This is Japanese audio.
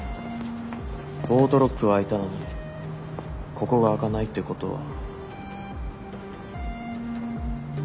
オートロックは開いたのにここが開かないってことは。